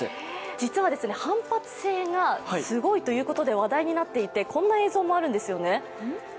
実は反発性がすごいということで話題になっていてこんな映像もあるんですよね。